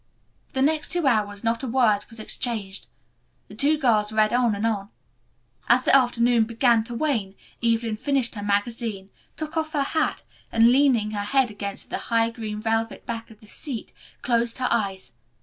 For the next two hours not a word was exchanged. The two girls read on and on. As the afternoon began to wane Evelyn finished her magazine, took off her hat, and, leaning her head against the high green velvet back of the seat, closed her eyes.